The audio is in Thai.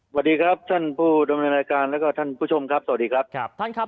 สวัสดีครับท่านผู้ดำเนินรายการและท่านผู้ชมครับสวัสดีครับ